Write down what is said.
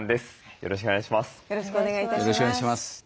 よろしくお願いします。